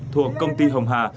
thuộc công ty hồng hà